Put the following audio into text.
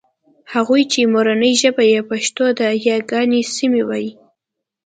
هغوی چې مورنۍ ژبه يې پښتو ده یاګانې سمې وايي